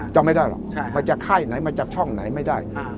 จำไม่ได้หรอกมาจากค่ายไหนมาจากช่องไหนไม่ได้